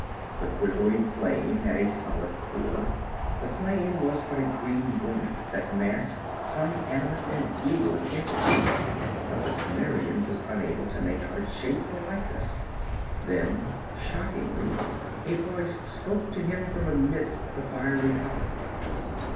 The quivering flame had a solid core; the flame was but a green garment that masked some animate and evil entity; but the Cimmerian was unable to make out its shape or likeness. Then, shockingly, a voice spoke to him from amidst the fiery column.